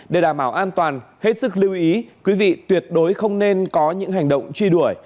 để đảm bảo an toàn hết sức lưu ý quý vị tuyệt đối không nên có những hành động truy đuổi